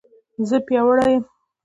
زه پیاوړې یم